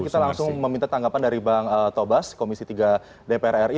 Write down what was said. kita langsung meminta tanggapan dari bang tobas komisi tiga dpr ri